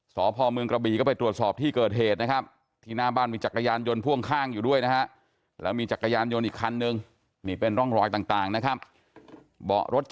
ศพเมืองกระบี่ก็ไปตรวจสอบที่เกิดเหตุนะครับ